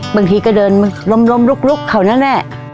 บางทีก็เดินมาล้มลุกเขานั่นแหละ